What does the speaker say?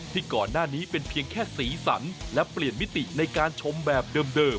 ที่ก่อนหน้านี้เป็นเพียงแค่สีสันและเปลี่ยนมิติในการชมแบบเดิม